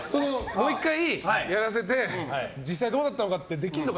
もう１回、やらせて実際どうだったのかってできるのか。